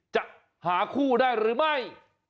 จะหาคู่ได้หรือไม่